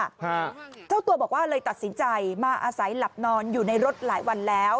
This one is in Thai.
ฮะเจ้าตัวบอกว่าเลยตัดสินใจมาอาศัยหลับนอนอยู่ในรถหลายวันแล้ว